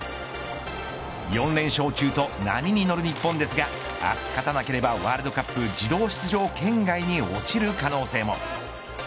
４連勝中と波に乗る日本ですがあす勝たなければワールドカップ自動出場圏外に落ちる可能性も。